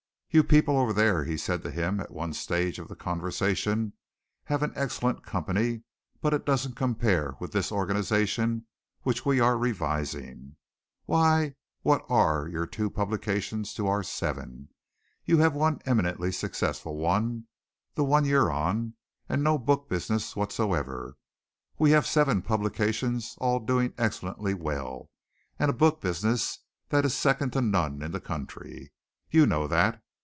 "You people over there," he said to him at one stage of the conversation, "have an excellent company, but it doesn't compare with this organization which we are revising. Why, what are your two publications to our seven? You have one eminently successful one the one you're on and no book business whatsoever! We have seven publications all doing excellently well, and a book business that is second to none in the country. You know that.